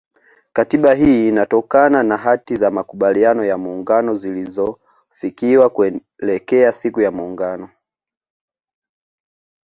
Katiba hii ilitokana na hati za makubaliano ya muungano zilizofikiwa kuelekea siku ya muungano